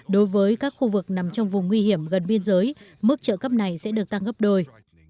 đối với các khu vực nằm trong vùng nguy hiểm gần biên giới mức trợ cấp này sẽ được tăng gấp đôi